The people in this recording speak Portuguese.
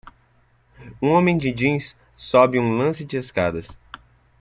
Um homem de jeans sobe um lance de escadas.